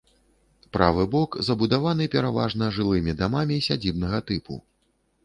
Правы бок забудаваны пераважна жылымі дамамі сядзібнага тыпу.